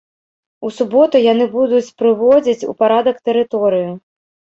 У суботу яны будуць прыводзіць у парадак тэрыторыю.